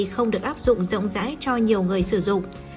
không được áp dụng rộng rãi cho nhiều người sử dụng